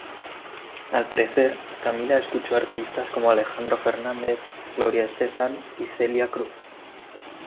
Al crecer, Camila escuchó artistas como Alejandro Fernández, Gloria Estefan y Celia Cruz.